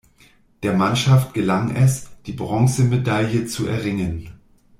Der Mannschaft gelang es, die Bronzemedaille zu erringen.